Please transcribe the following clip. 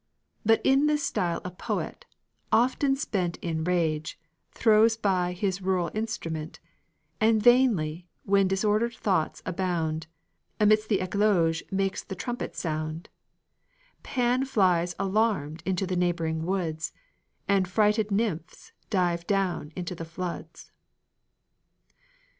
But in this style a poet, often spent In rage, throws by his rural instrument, And vainly, when disordered thoughts abound, Amidst the eclogue makes the trumpet sound; Pan flies alarmed into the neighboring woods, And frighted nymphs dive down into the floods.